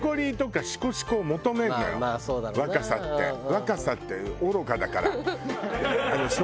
若さって愚かだから。